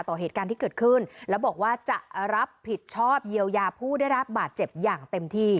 ต่อเหตุการณ์ที่เกิดขึ้นแล้วบอกว่าจะรับผิดชอบเยียวยาผู้ได้รับบาดเจ็บอย่างเต็มที่